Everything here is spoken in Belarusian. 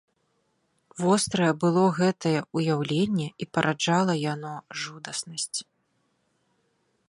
Вострае было гэтае ўяўленне, і параджала яно жудаснасць.